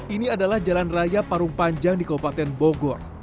ini adalah jalan raya parung panjang di kabupaten bogor